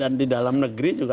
dan di dalam negeri juga